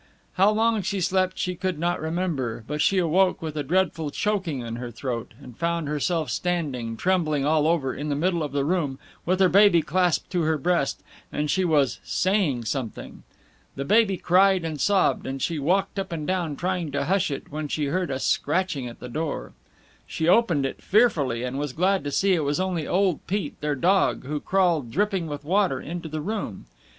How long she slept she could not remember, but she awoke with a dreadful choking in her throat, and found herself standing, trembling all over, in the middle of the room, with her baby clasped to her breast, and she was "saying something." The baby cried and sobbed, and she walked up and down trying to hush it when she heard a scratching at the door. She opened it fearfully, and was glad to see it was only old Pete, their dog, who crawled, dripping with water, into the room.